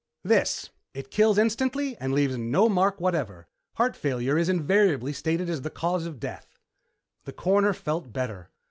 "This. It kills instantly and leaves no mark whatever. Heart failure is invariably stated as the cause of death." The Coroner felt better.